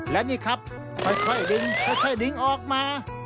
และนี่ครับค่อยดิ้งออกมา